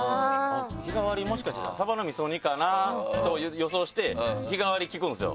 日替わりもしかしたらサバの味噌煮かな？と予想して日替わり聞くんですよ